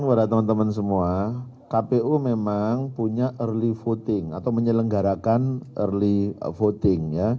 kepada teman teman semua kpu memang punya early voting atau menyelenggarakan early voting